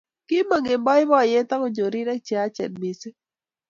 Kimong eng boiboiyet agonyor rirek che yachen missing